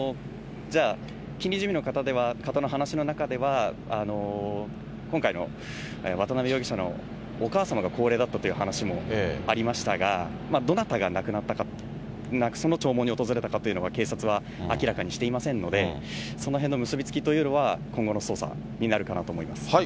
じゃあ、近隣住民の方の話の中では、今回の渡辺容疑者のお母様が高齢だったという話もありましたが、どなたが亡くなったか、その弔問に訪れたかというのは警察は明らかにしていませんので、そのへんの結び付きというのは、今後の捜査になるかなと思います。